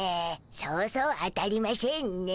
そうそう当たりましぇんね。